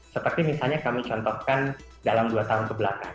seperti misalnya kami contohkan dalam dua tahun kebelakang